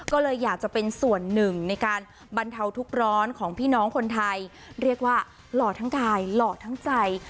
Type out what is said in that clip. ก็เลยอยากจะเป็นส่วนหนึ่งในการบรรเทาทุกร้อนของพี่น้องคนไทยเรียกว่าหล่อทั้งกายหล่อทั้งใจ